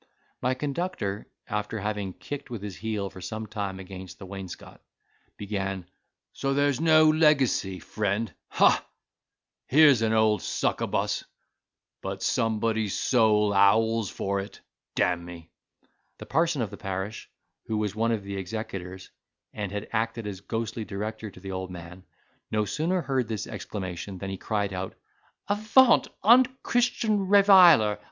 My conductor, after having kicked with his heel for some time against the wainscot, began: "So there's no legacy, friend, ha!—here's an old succubus; but somebody's soul howls for it, d—n me!" The parson of the parish, who was one of the executors, and had acted as ghostly director to the old man, no sooner heard this exclamation than he cried out, "Avaunt, unchristian reviler!